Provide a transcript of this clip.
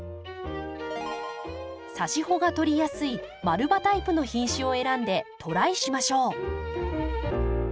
さし穂が取りやすい丸葉タイプの品種を選んでトライしましょう。